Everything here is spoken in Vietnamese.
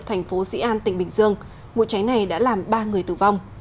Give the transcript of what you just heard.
thành phố sĩ an tỉnh bình dương vụ cháy này đã làm ba người tử vong